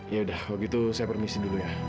yaudah kalau gitu saya permisi dulu ya